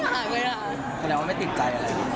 หมายถึงว่าไม่ติดใจอะไร